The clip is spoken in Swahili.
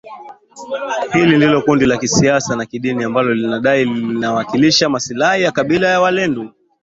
Hilo ni kundi la kisiasa na kidini ambalo linadai linawakilisha maslahi ya kabila la walendu